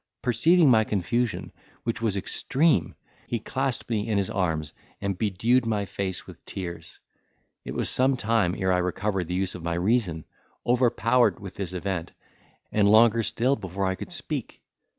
Perceiving my confusion, which was extreme, he clasped me in his arms, and bedewed my face with tears. It was some time ere I recovered the use of my reason, overpowered with this event, and longer still before I could speak.